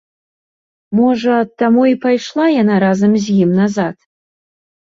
Можа, таму і пайшла яна разам з ім назад.